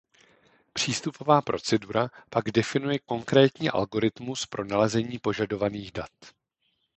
Přístupová procedura pak definuje konkrétní algoritmus pro nalezení požadovaných dat.